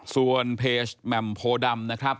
ส่วนเพจแหม่มโพดำนะครับ